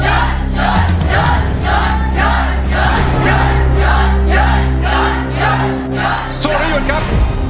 หยุดครับหยุดนะครับ